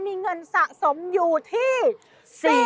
มีเงินสะสมอยู่ที่